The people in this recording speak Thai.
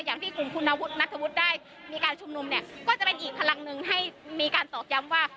อย่างที่กลุ่มคุณนัทธวุฒิได้มีการชุมนุมเนี่ยก็จะเป็นอีกพลังหนึ่งให้มีการตอกย้ำว่า